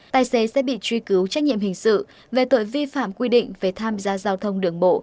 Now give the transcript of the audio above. tài xế sẽ bị truy cứu trách nhiệm hình sự về tội vi phạm quy định về tham gia giao thông đường bộ